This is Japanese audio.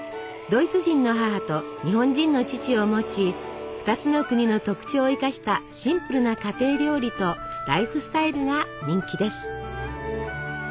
ドイツ人の母と日本人の父を持ち２つの国の特徴を生かしたシンプルな家庭料理とライフスタイルが人気です。